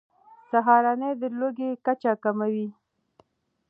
سهارنۍ د لوږې کچه کموي.